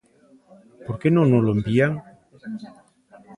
¿Por que non nolo envían?